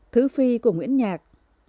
thứ phi của nguyễn nhạc